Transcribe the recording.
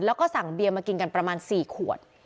แล้วก็สั่งเบียร์มากินกันประมาณ๔ขวด